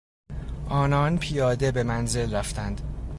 آنان پیاده به منزل رفتند.